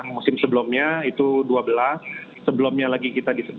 musim sebelumnya itu dua belas sebelumnya lagi kita di sebelas